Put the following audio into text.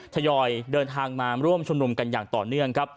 ทยอยเดินทางมาร่วมชุมนุมกันอย่างต่อเนื่องครับ